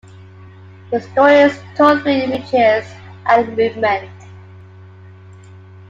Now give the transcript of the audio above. The story is told through images and movement.